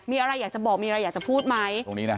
มีอะไรอยากจะบอกมีอะไรอยากจะพูดไหม